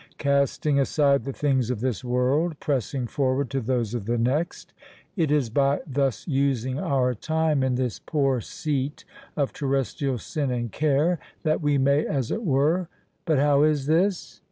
Casting aside the things of this world—pressing forward to those of the next—it is by thus using our time in this poor seat of terrestrial sin and care, that we may, as it were—But how is this?"